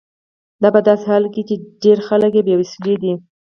دا په داسې حال کې ده چې ډیری خلک بې وسیلې دي.